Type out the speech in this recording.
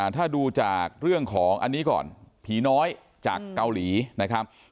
ถ้าดูจากเรื่องของอันนี้ก่อนผีน้อยจากเกาหลีนะครับ